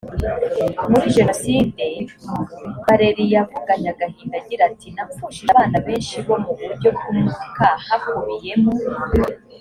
muri jenoside valerie yavuganye agahinda agira ati napfushije abana benshi bo mu buryo bw umwuka hakubiyemo